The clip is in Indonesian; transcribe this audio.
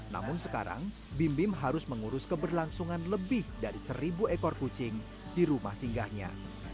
namun sekarang bim bim harus mengurus keberlangsungan lebih dari seribu ekor kucing di rumah singgahnya